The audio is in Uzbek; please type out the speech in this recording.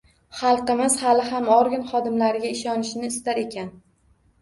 Xalqimiz hali ham organ xodimlariga ishonishni istar ekan